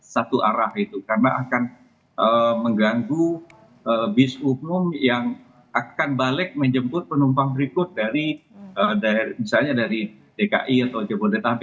satu arah itu karena akan mengganggu bis umum yang akan balik menjemput penumpang berikut dari misalnya dari dki atau jabodetabek